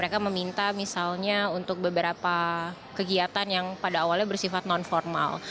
kami meminta kegiatan yang bersifat non formal